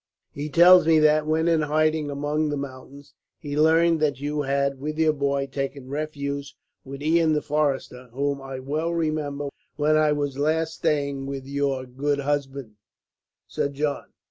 He tells me that, when in hiding among the mountains, he learned that you had, with your boy, taken refuge with Ian the forester, whom I well remember when I was last staying with your good husband, Sir John.